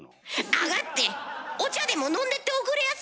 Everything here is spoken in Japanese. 上がってお茶でも飲んでっておくれやす。